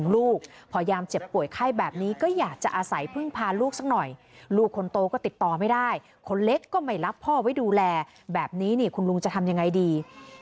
ลุงจะทำยังไงดี